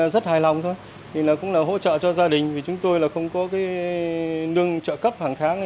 rất hài lòng cũng là hỗ trợ cho gia đình vì chúng tôi không có nương trợ cấp hàng tháng